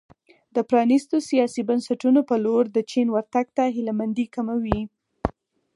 د پرانیستو سیاسي بنسټونو په لور د چین ورتګ ته هیله مندي کموي.